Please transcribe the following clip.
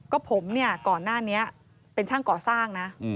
ก็ผมเนี่ยก่อนหน้านี้เป็นช่างก่อสร้างนะ